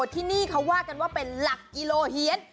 ที่นี่เขาว่ากันว่าเป็นหลักกิโลเฮียน